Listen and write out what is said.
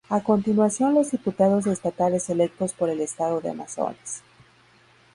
A continuación los diputados estatales electos por el Estado de Amazonas.